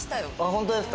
ホントですか？